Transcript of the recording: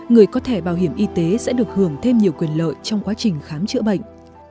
người có thẻ bảo hiểm y tế sẽ được hưởng thêm nhiều quyền lợi trong quá trình khám chữa bệnh